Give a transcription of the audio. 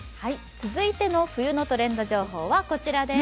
続いての冬のトレンド情報はこちらです。